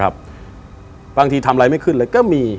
บางทีทำอะไรไม่ขึ้นเลยก็มี